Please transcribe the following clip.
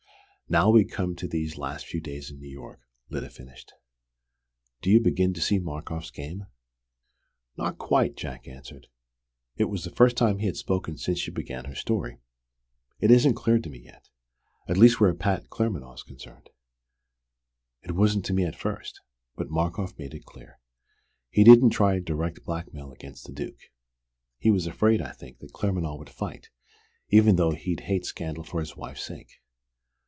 "Now, we come to these last few weeks in New York," Lyda finished. "Do you begin to see Markoff's game?" "Not quite," Jack answered. It was the first time he had spoken since she began her story. "It isn't clear to me yet at least where Pat Claremanagh's concerned." "It wasn't to me at first. But Markoff made it clear. He didn't try direct blackmail against the Duke. He was afraid, I think, that Claremanagh would fight even though he'd hate scandal for his wife's sake.